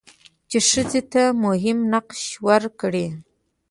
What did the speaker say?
چې ښځې ته مهم نقش ورکړي؛